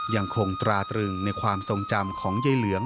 ยังคงตราตรึงในความทรงจำของใยเหลือง